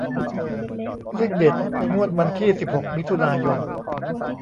เลขเด็ดงวดวันที่สิบหกมิถุนายน